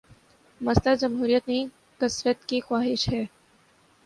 مسئلہ جمہوریت نہیں، کثرت کی خواہش ہے۔